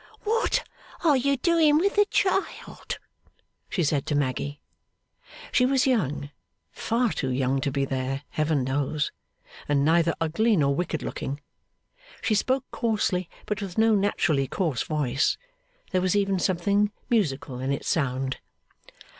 'What are you doing with the child?' she said to Maggy. She was young far too young to be there, Heaven knows! and neither ugly nor wicked looking. She spoke coarsely, but with no naturally coarse voice; there was even something musical in its sound.